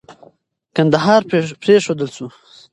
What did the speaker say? کندهار پرېښودل سو.